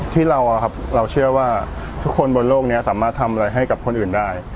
ที่เราเชื่อว่าทุกคนบนโลกนี้สามารถทำอะไรให้กับคนอื่นได้